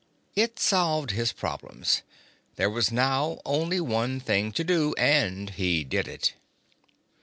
It solved his problems. There was now only one thing to do, and he did it.